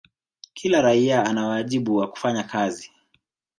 kila raia ana wajibu wa kufanya kazi